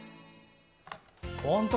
本当